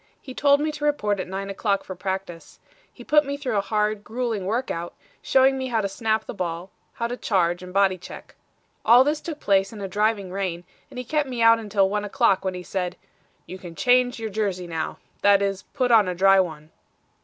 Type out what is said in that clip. He told me to report at nine o'clock for practice. He put me through a hard, grueling work out, showing me how to snap the ball; how to charge and body check. All this took place in a driving rain, and he kept me out until one o'clock, when he said: "'You can change your jersey now; that is, put on a dry one.'